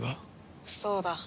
そうだ。